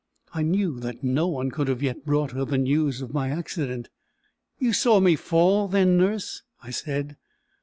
I knew that no one could have yet brought her the news of my accident. "You saw me fall, then, nurse?" I said.